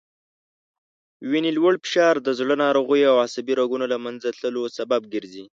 وینې لوړ فشار د زړه ناروغیو او عصبي رګونو له منځه تللو سبب ګرځي